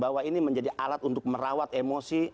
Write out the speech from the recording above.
bahwa ini menjadi alat untuk merawat emosi